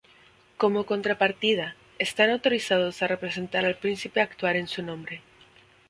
Como contrapartida, están autorizados a representar al príncipe a actuar en su nombre.